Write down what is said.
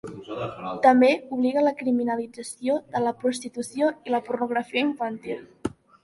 També obliga a la criminalització de la prostitució i la pornografia infantil.